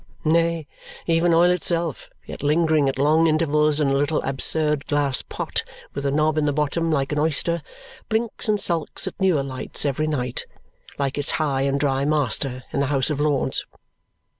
Nay, even oil itself, yet lingering at long intervals in a little absurd glass pot, with a knob in the bottom like an oyster, blinks and sulks at newer lights every night, like its high and dry master in the House of Lords.